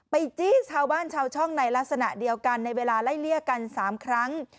จี้ชาวบ้านชาวช่องในลักษณะเดียวกันในเวลาไล่เลี่ยกัน๓ครั้ง